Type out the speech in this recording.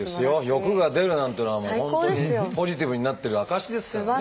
欲が出るなんていうのはもう本当にポジティブになってる証しですからね